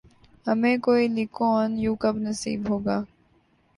ہمیں کوئی لی کوآن یو کب نصیب ہوگا؟